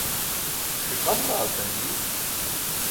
ṣiqam baaltan bi